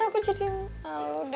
aku jadi malu deh